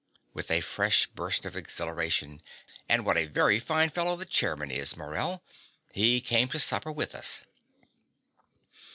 (With a fresh burst of exhilaration.) And what a very fine fellow the chairman is, Morell! He came to supper with us.